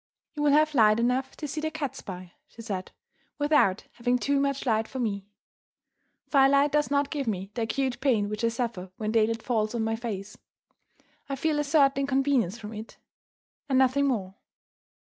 "You will have light enough to see the cats by," she said, "without having too much light for me. Firelight does not give me the acute pain which I suffer when daylight falls on my face I feel a certain inconvenience from it, and nothing more."